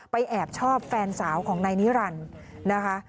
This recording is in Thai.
แอบชอบแฟนสาวของนายนิรันดิ์นะคะ